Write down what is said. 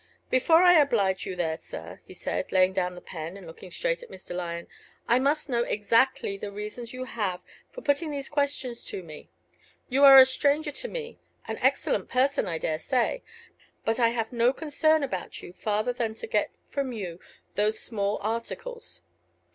"Before I oblige you there, sir," he said, laying down the pen, and looking straight at Mr. Lyon, "I must know exactly the reasons you have for putting these questions to me. You are a stranger to me an excellent person, I dare say but I have no concern about you farther than to get from you those small articles.